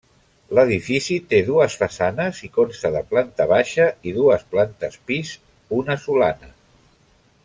L'edifici té dues façanes i consta de planta baixa i dues plantes pis, una solana.